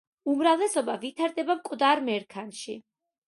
უმრავლესობა ვითარდება მკვდარ მერქანში.